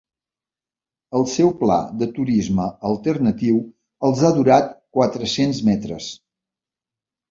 El seu pla de turisme alternatiu els ha durat quatre-cents metres.